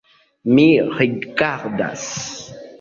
Mi rigardas.